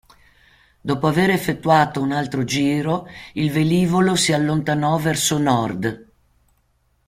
Dopo aver effettuato un altro giro il velivolo si allontanò verso nord.